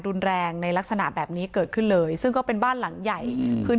รุนแรงในลักษณะแบบนี้เกิดขึ้นเลยซึ่งก็เป็นบ้านหลังใหญ่อืมพื้น